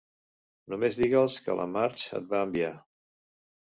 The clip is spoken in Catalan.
Només diga'ls que la Marge et va enviar.